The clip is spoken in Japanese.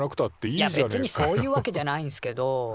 いやべつにそういうわけじゃないんすけど。